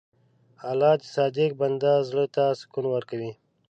الله د صادق بنده زړه ته سکون ورکوي.